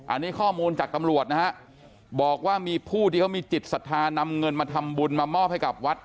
อันนี้ข้อมูลจากตำรวจนะฮะบอกว่ามีผู้ที่เขามีจิตศรัทธานำเงินมาทำบุญมามอบให้กับวัด